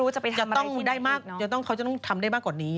จะต้องที่ได้มากจะต้องเขาจะต้องทำได้มากกว่านี้